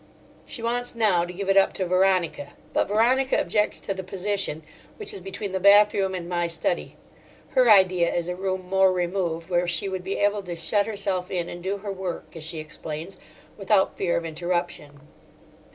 She wants now to give it up to Veronica, but Veronica objects to the position, which is between the bathroom and my study. Her idea is a room more removed, where she would be able to shut herself in and do her work, as she explains, without fear of interruption.